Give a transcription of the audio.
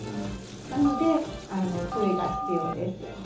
なので、注意が必要です。